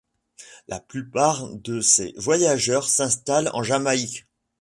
La plupart de ses voyageurs s'installent en Jamaïque.